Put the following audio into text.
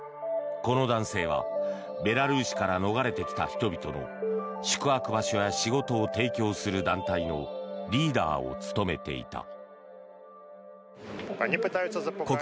この男性はベラルーシから逃れてきた人々の宿泊場所や仕事を提供する団体のリーダーを務めていた。